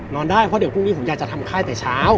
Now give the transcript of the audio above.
นอนได้เพราะเดี๋ยวพรุ่งนี้ผมอยากจะทำค่ายแต่เช้า